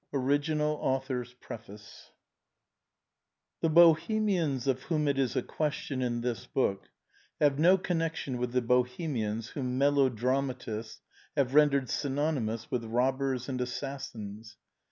ORIGINAL PREFACE The Bohemians of whom it is a question in this book have no connection with the Bohemians whom melodrama tists have rendered synonymous with robbers and assassins.